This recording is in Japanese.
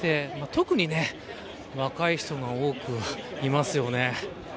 特に若い人が多くいますね。